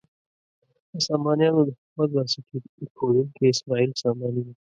د سامانیانو د حکومت بنسټ ایښودونکی اسماعیل ساماني و.